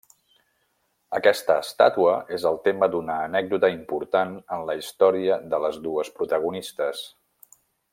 Aquesta estàtua és el tema d'una anècdota important en la història de les dues protagonistes.